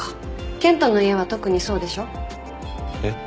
健人の家は特にそうでしょ？えっ？